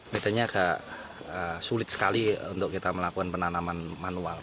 medannya agak sulit sekali untuk kita melakukan penanaman manual